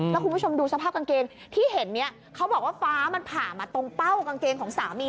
แล้วคุณผู้ชมดูสภาพกางเกงที่เห็นเนี่ยเขาบอกว่าฟ้ามันผ่ามาตรงเป้ากางเกงของสามี